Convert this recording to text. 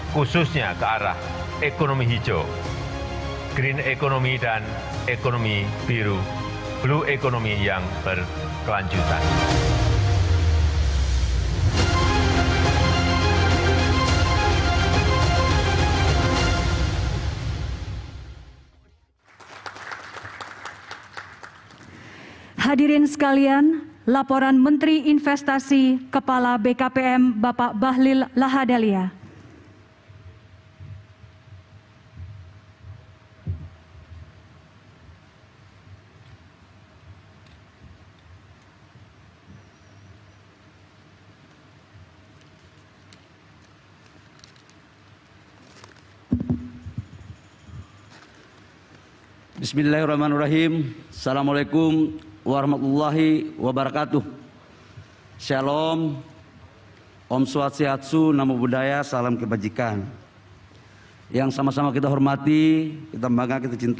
pertama di dalam perusahaan ini pemerintah memiliki kekuatan yang sangat tinggi